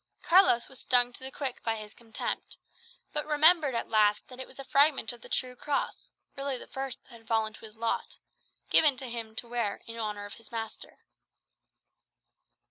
Carlos was stung to the quick by his contempt; but remembered at last that it was a fragment of the true cross (really the first that had fallen to his lot) given him to wear in honour of his Master.